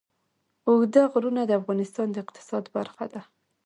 اوږده غرونه د افغانستان د اقتصاد برخه ده.